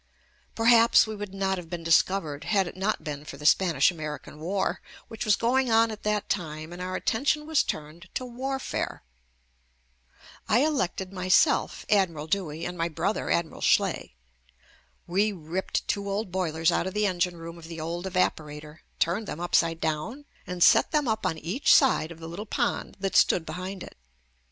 Perhaps we would not have been discovered had it not been for the Spanish American JUST ME war, which was going on at that time and our attention was turned to warfare. I elected myself Admiral Dewey, and my brother Ad miral Schley. We ripped two old boilers out of the engine room of the old evaporator, turned them upside down and set them up on each side of the little pond that stood behind it.